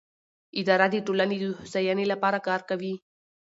اداره د ټولنې د هوساینې لپاره کار کوي.